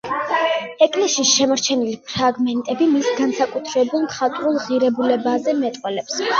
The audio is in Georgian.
ეკლესიის შემორჩენილი ფრაგმენტები მის განსაკუთრებულ მხატვრულ ღირებულებაზე მეტყველებს.